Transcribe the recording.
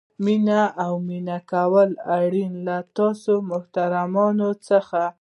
مینه او مننه کوم آرین له تاسو محترمو څخه.